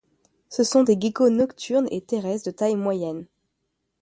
Ce sont des geckos nocturnes et terrestres de taille moyenne.